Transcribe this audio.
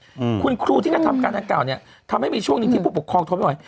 อืมคุณครูที่กระทำการดังกล่าวเนี้ยทำให้มีช่วงหนึ่งที่ผู้ปกครองทนไม่ไหว